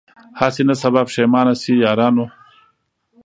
هسي نه سبا پښېمانه سی یارانو